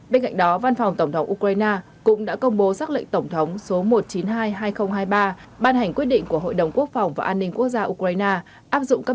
bên cạnh đó văn phòng tổng thống ukraine cũng đã công bố xác lệnh tổng thống số một trăm chín mươi hai hai nghìn hai mươi ba ban hành quyết định của hội đồng quốc phòng và an ninh quốc gia ukraine